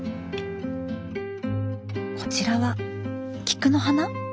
こちらは菊の花？